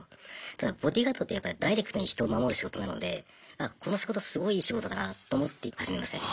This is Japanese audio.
ただボディーガードってダイレクトに人を守る仕事なのでこの仕事すごいいい仕事だなと思って始めましたね。